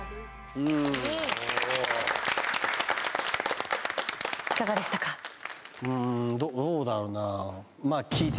うんどうだろうな